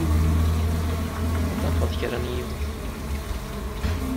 Ad tafeḍ kra n yiwet.